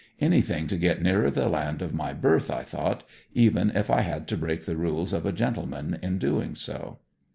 Anything to get nearer the land of my birth, I thought, even if I had to break the rules of a gentleman in doing so.